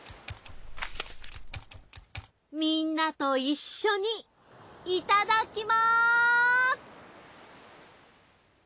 みんなといっしょにいただきまーす！